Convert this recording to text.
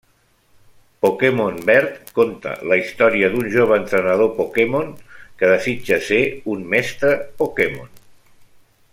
Pokémon Verd conta la història d'un jove entrenador Pokémon que desitja ser un mestre Pokémon.